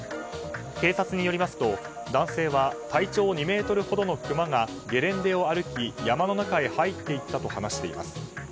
警察によりますと男性は体長２ｍほどのクマがゲレンデを歩き山の中へ入っていったと話しています。